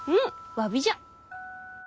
詫びじゃ。